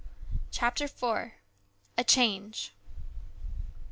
CHAPTER IV. A CHANGE.